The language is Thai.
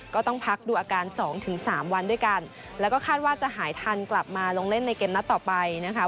ก็ต้องพักดูอาการสองถึงสามวันด้วยกันแล้วก็คาดว่าจะหายทันกลับมาลงเล่นในเกมนัดต่อไปนะคะ